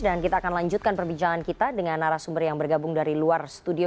dan kita akan lanjutkan perbincangan kita dengan arah sumber yang bergabung dari luar studio